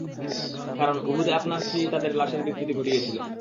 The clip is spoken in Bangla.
কারণ, উহুদে আপনার স্ত্রীই তাদের লাশের বিকৃতি ঘটিয়েছিল।